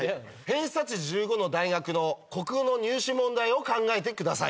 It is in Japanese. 偏差値１５の大学の国語の入試問題を考えてください。